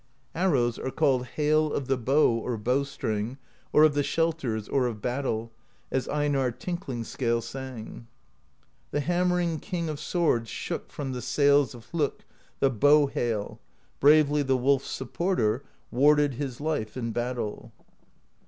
Arrows are called Hail of the Bow or Bowstring, or of the Shelters, or of Battle, as Einarr Tinkling Scale sang: The hammering King of Swords shook From the Sails of Hlokk the Bow Hail: Bravely the Wolf's Supporter Warded his life in battle.